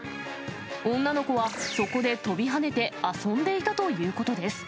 女の子は、そこで跳びはねて遊んでいたということです。